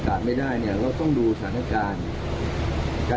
เขาไม่น่าขัดนะเขาบอกว่าไม่ได้ติดใจ